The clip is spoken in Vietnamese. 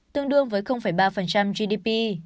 tương đương với ba gdp